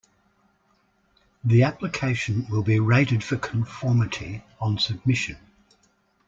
The application will be rated for conformity on submission.